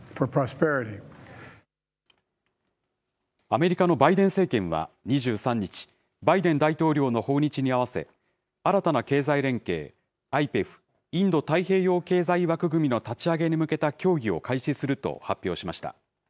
アメリカのバイデン政権は２３日、バイデン大統領の訪日に合わせ、新たな経済連携、ＩＰＥＦ・インド太平洋経済枠組みの立ち上げに向けた協議を開始すると発表しました。